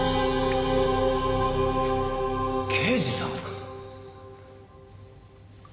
刑事さん？